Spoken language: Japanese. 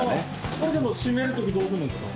これでも閉める時どうするんですか？